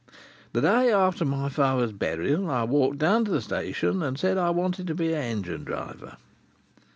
The day after my father's burial I walked down to the station, and said I wanted to be a engine driver.